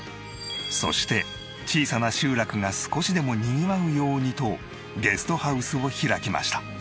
そして小さな集落が少しでもにぎわうようにとゲストハウスを開きました。